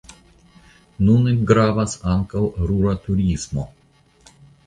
Nune gravas ankaŭ rura turismo.